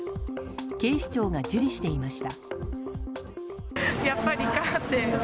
警視庁が受理していました。